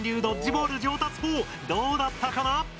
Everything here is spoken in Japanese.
ドッジボール上達法どうだったかな？